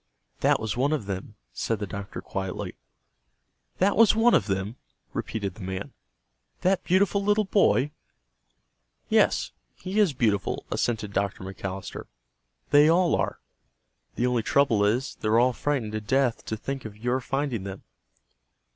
"That was one of them," said the doctor quietly. "That was one of them!" repeated the man. "That beautiful little boy?" "Yes, he is beautiful," assented Dr. McAllister. "They all are. The only trouble is, they're all frightened to death to think of your finding them."